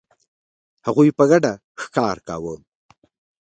هغوی په ګډه ښکار کاوه.